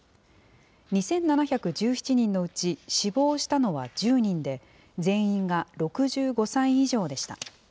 ２７１７人のうち、死亡したのは１０人で、全員が６５歳以上でした。